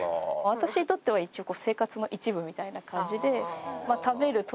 私にとっては一応生活の一部みたいな感じで。